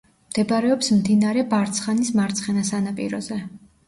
მდებარეობს მდინარე ბარცხანის მარცხენა სანაპიროზე.